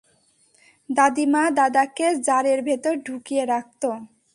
দাদিমা দাদাকে জারের ভেতর ঢুকিয়ে রাখত।